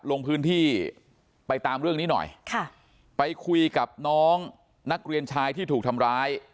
ลงพื้นที่ไปตามเรื่องนี้หน่อยค่ะไปคุยกับน้องนักเรียนชายที่ถูกทำร้าย